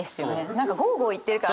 何かゴーゴーいってるから。